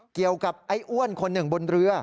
เกี่ยวกับไอ้อ้วนหนึ่งบนเรือ